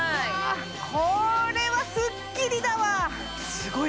これはすっきりだわすごい！